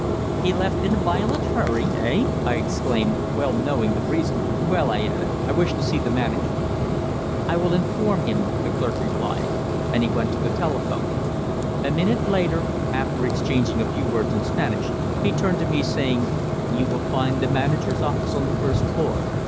"He left in a violent hurry eh?" I exclaimed, well knowing the reason. "Well," I added, "I wish to see the manager." "I will inform him," the clerk replied, and he went to the telephone. A minute later, after exchanging a few words in Spanish, he turned to me, saying: "You will find the manager's office on the first floor.